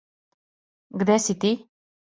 Где си ти?